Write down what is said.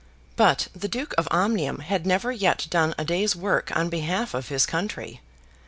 But the Duke of Omnium had never yet done a day's work on behalf of his country.